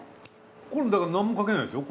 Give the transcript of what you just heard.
これだから何もかけないでしょう？